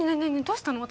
どうしたの？